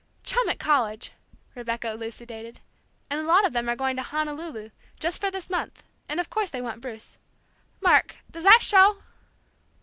"Chum at college," Rebecca elucidated; "a lot of them are going to Honolulu, just for this month, and of course they wanted Bruce. Mark, does that show?"